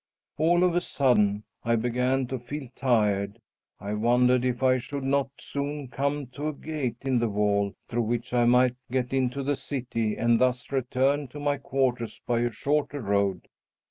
All of a sudden I began to feel tired. I wondered if I should not soon come to a gate in the wall, through which I might get into the city and thus return to my quarters by a shorter road.